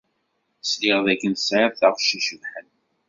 Sliɣ dakken tesɛid taɣect icebḥen.